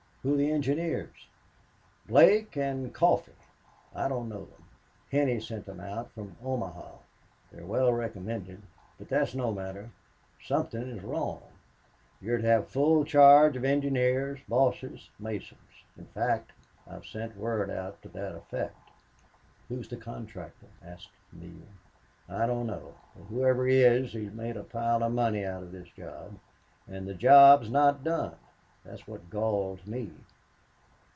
"Who are the engineers?" "Blake and Coffee. I don't know them. Henney sent them out from Omaha. They're well recommended. But that's no matter. Something is wrong. You're to have full charge of engineers, bosses, masons. In fact, I've sent word out to that effect." "Who's the contractor?" asked Neale. "I don't know. But whoever he is he has made a pile of money out of this job. And the job's not done. That's what galls me."